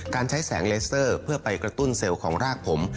การใช้แสงเลเซอร์เพื่อไปกระตุ้นเซลล์ของรากผม